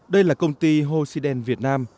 đây là công ty hồ sĩ đen việt nam